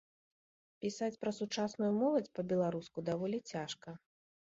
Пісаць пра сучасную моладзь па-беларуску даволі цяжка.